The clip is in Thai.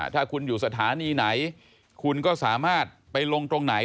ถ้าคุณอยู่สถานีไหนคุณก็สามารถไปลงตรงไหน